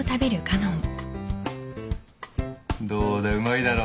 どうだうまいだろ？